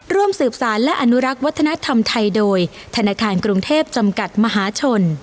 ร่วมสืบสารและอนุรักษ์วัฒนธรรมไทยโดยธนาคารกรุงเทพจำกัดมหาชน